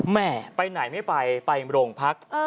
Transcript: แม่ไปไหนไม่ไปไปโรงพัก